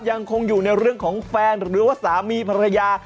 ยังคงอยู่ในเรื่องของแฟนหรือว่าสามีภรรยา